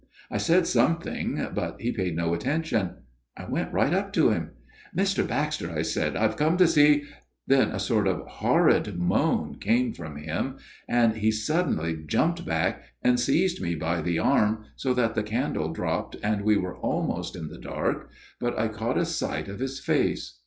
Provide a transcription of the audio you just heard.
I said something, but he paid no attention. I went right up to him. "' Mr. Baxter,' I said, ' I have come to see '" Then a sort of horrid moan came from him, and he suddenly jumped back and seized me by the arm so that the candle dropped and we were almost in the dark ; but I caught a sight of his face.